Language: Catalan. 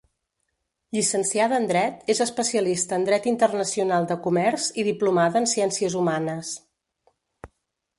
Llicenciada en Dret, és especialista en Dret Internacional de Comerç i diplomada en Ciències Humanes.